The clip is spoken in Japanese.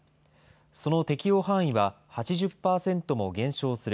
その適用範囲は８０％も減少する。